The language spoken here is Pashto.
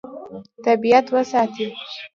طبیعت وساتي.